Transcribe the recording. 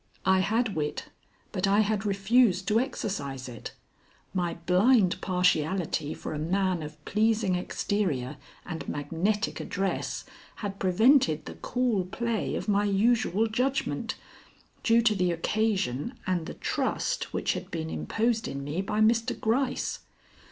I had wit, but I had refused to exercise it; my blind partiality for a man of pleasing exterior and magnetic address had prevented the cool play of my usual judgment, due to the occasion and the trust which had been imposed in me by Mr. Gryce.